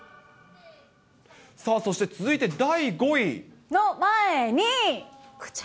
さあ、そして続いて第５位。の前に。